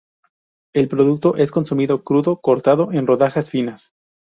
El producto es consumido crudo, cortado en rodajas finas.